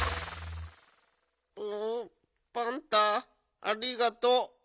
プパンタありがと。